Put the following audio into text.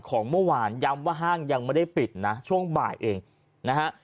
ของเมื่อวานย้ำว่าห้างยังไม่ได้ปิดนะช่วงบ่ายเองนะฮะ